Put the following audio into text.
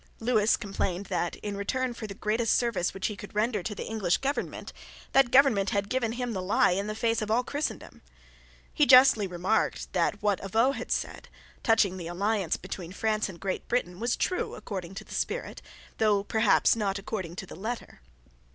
Lewis complained that, in return for the greatest service which he could render to the English government, that government had given him the lie in the face of all Christendom. He justly remarked that what Avaux had said, touching the alliance between France and Great Britain, was true according to the spirit, though perhaps not according to the letter.